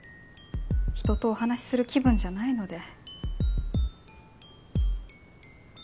人とお話しする気分じゃないので。